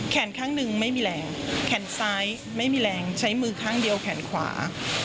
ข้างหนึ่งไม่มีแรงแขนซ้ายไม่มีแรงใช้มือข้างเดียวแขนขวา